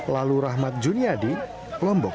lalu rahmat juniadi lombok